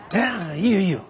いいよいいよ。